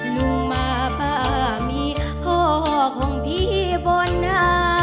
ลุงมาป้ามีพ่อของพี่บนหน้า